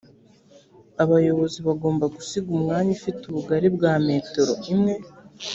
abayobozi bagomba gusiga umwanya ufite ubugari bwa metero imwe